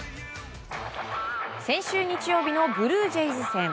先週日曜日のブルージェイズ戦。